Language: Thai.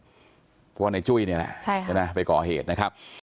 เพราะว่าในจุ้ยเนี่ยแหละใช่ไหมไปก่อเหตุนะครับ